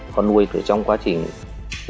con nuôi trong quá trình